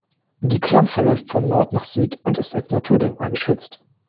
Die Klamm verläuft von Nord nach Süd und ist als Naturdenkmal geschützt.